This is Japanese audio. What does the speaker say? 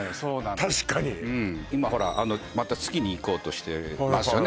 確かに今ほらまた月に行こうとしてますよね